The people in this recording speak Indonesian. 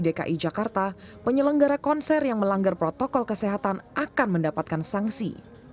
dki jakarta penyelenggara konser yang melanggar protokol kesehatan akan mendapatkan sanksi